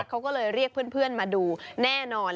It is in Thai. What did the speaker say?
เขาก็เลยเรียกเพื่อนมาดูแน่นอน